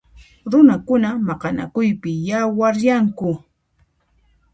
Runakuna maqanakuypi yawaryanku.